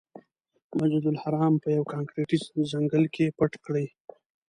مسجدالحرام یې په یوه کانکریټي ځنګل کې پټ کړی.